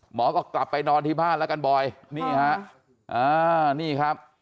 หมอก็กลับไปนอนที่บ้านแล้วกันบอยนี่ฮะอ่านี่ครับ